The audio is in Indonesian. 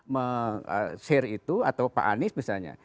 meng share itu atau pak anies misalnya